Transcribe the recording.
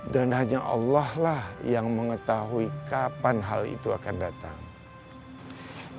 hanya allah lah yang mengetahui kapan hal itu akan datang